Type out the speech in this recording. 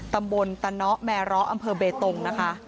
ตำบลตะเนาะแมร้ออำเภอเบตงนะคะ